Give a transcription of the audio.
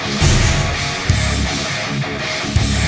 ยอดขนาด๓๐๐๐รถ